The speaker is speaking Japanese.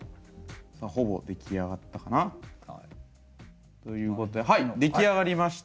ほぼ出来上がったかな？ということではい出来上がりました。